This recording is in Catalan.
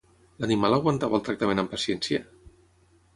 L'animal aguantava el tractament amb paciència?